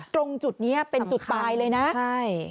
ตรงจุดนี้เป็นจุดตายเลยนะใช่